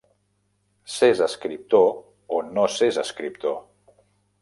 S'és escriptor o no s'és escriptor.